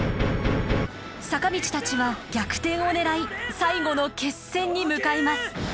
坂道たちは逆転を狙い最後の決戦に向かいます。